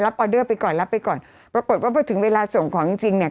ออเดอร์ไปก่อนรับไปก่อนปรากฏว่าพอถึงเวลาส่งของจริงจริงเนี่ย